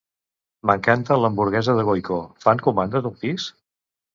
M'encanta l'hamburguesa de Goiko, fan comandes al pis?